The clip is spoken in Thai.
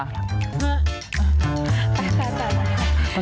ไปแล้วค่ะ